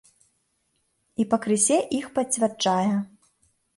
І пакрысе іх пацвярджае.